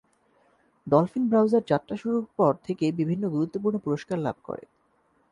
Dolphin browser যাত্রা শুরুর পর থেকেই বিভিন্ন গুরুত্বপূর্ণ পুরস্কার লাভ করে।